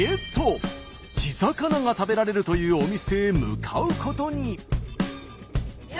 地魚が食べられるというお店へ向かうことに。